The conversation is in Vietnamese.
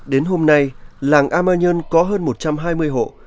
đến hôm nay làng a ma nhơn có hơn một trăm hai mươi hộ